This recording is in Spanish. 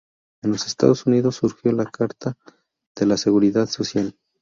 En los Estados Unidos surgió la Carta de la Seguridad Social.